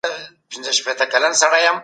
قانون پر ټولنه څنګهاغیز کوي؟